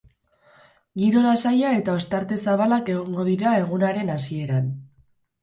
Giro lasaia eta ostarte zabalak egongo dira egunaren hasieran.